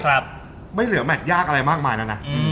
แล้วที่เหลือแมทยากอะไรมากมายนะนะ